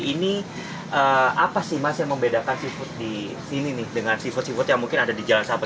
ini apa sih mas yang membedakan seafood di sini nih dengan seafood seafood yang mungkin ada di jalan sabang